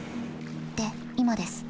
で今です。